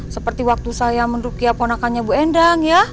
seperti waktu saya mendukia ponakannya bu endang ya